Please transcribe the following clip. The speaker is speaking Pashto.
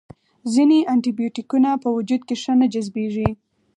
ځینې انټي بیوټیکونه په وجود کې ښه نه جذبیږي.